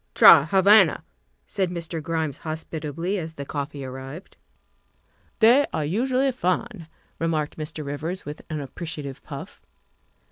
" Try a Havana," said Mr. Grimes hospitably as the coffee arrived. '' They are unusually fine, '' remarked Mr. Rivers with an appreciative puff.